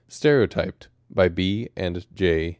Stereotyped by B. k. J.